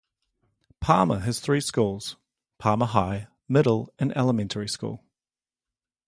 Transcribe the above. Palmer has three schools: Palmer High, Middle, and Elementary School.